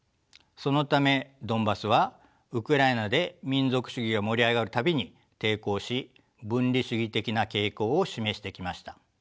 そのためドンバスはウクライナで民族主義が盛り上がる度に抵抗し分離主義的な傾向を示してきました。